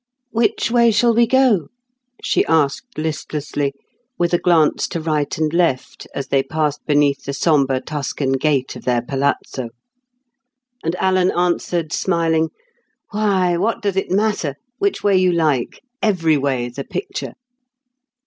"Which way shall we go?" she asked listlessly, with a glance to right and left, as they passed beneath the sombre Tuscan gate of their palazzo. And Alan answered, smiling, "Why, what does it matter? Which way you like. Every way is a picture."